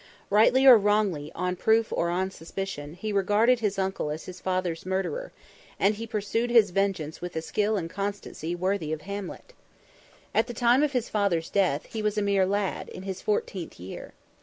Rightly or wrongly, on proof or on suspicion, he regarded his uncle as his father's murderer, and he pursued his vengeance with a skill and constancy worthy of Hamlet. At the time of his father's death, he was a mere lad—in his fourteenth year.